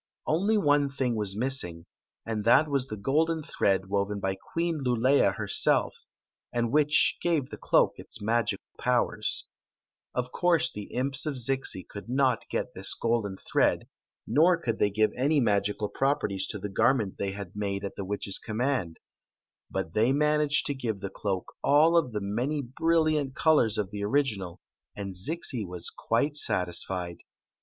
Only one thing was missing, and that was the golden thread woven by Queen Lulea herself, and which gave the cloak its magic powers; Of course the imps of Zixi could not get this golden thread, nor could they give any magical properties to the garment they had made at the witch's command ; but they managed to give the cloak all of the many brilliant colors of the original, and Zixi was quite • satisfied.